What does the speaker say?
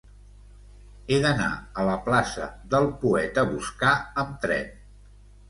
He d'anar a la plaça del Poeta Boscà amb tren.